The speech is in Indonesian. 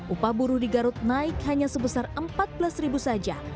upah buruh di garut naik hanya sebesar empat belas ribu saja